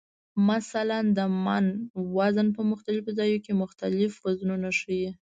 مثلا د "من" وزن په مختلفو ځایونو کې مختلف وزنونه ښیي.